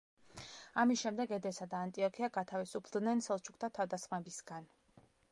ამის შემდეგ ედესა და ანტიოქია გათავისუფლდნენ სელჩუკთა თავდასხმებისგან.